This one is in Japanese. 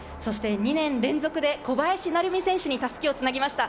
２年連続で小林成美選手に襷をつなぎました。